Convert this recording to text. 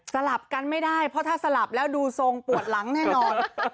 ลับกันไม่ได้เพราะถ้าสลับแล้วดูทรงปวดหลังแน่นอน